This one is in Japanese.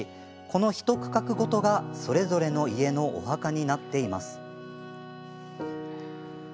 このひと区画ごとがそれぞれの家のお墓になっています。